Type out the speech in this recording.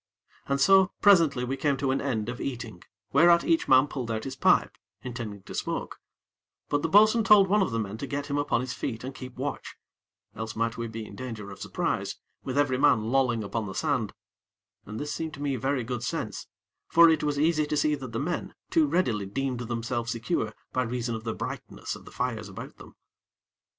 And so, presently, we came to an end of eating, whereat each man pulled out his pipe, intending to smoke; but the bo'sun told one of the men to get him upon his feet and keep watch, else might we be in danger of surprise, with every man lolling upon the sand; and this seemed to me very good sense; for it was easy to see that the men, too readily, deemed themselves secure, by reason of the brightness of the fires about them.